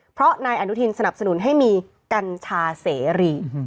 เพราะนายอนุทินสนับสนุนให้มีกัญชาเสรี